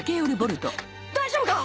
大丈夫か！？